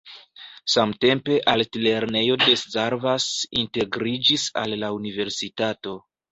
Samtempe altlernejo de Szarvas integriĝis al la universitato.